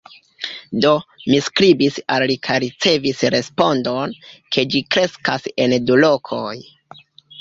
Do, mi skribis al li kaj ricevis respondon, ke ĝi kreskas en du lokoj.